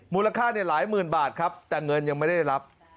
มูลค่าเนี่ยหลายหมื่นบาทครับแต่เงินยังไม่ได้ได้รับ